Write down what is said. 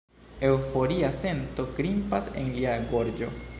Eŭforia sento grimpas en lia gorĝo.